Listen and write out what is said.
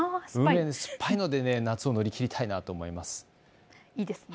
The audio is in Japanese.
すっぱいので夏を乗り切りたいなと思います。